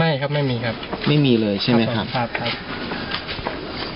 ไม่ครับไม่มีครับไม่มีเลยใช่ไหมครับ